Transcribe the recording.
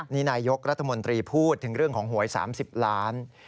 นี่นายยกรัฐมนตรีพูดถึงเรื่องของหวย๓๐ล้าน